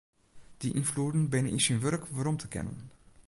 Dy ynfloeden binne yn syn wurk werom te kennen.